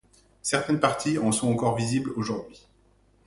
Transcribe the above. Certaines parties en sont encore visibles aujourd’hui.